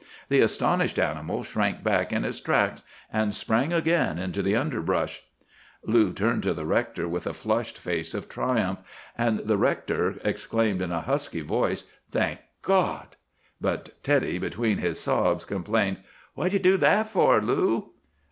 The astonished animal shrank back in his tracks, and sprang again into the underbrush. "Lou turned to the rector with a flushed face of triumph, and the rector exclaimed in a husky voice, 'Thank God!' But Teddy, between his sobs, complained, 'What did you do that for, Lou?